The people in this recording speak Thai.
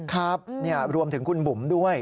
ครับรวมถึงคุณบุ๋มด้วย